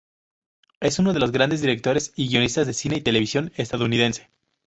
Es uno de los grandes directores y guionistas de cine y televisión estadounidense.